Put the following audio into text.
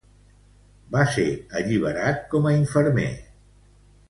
Va ser alliberat com a infermer.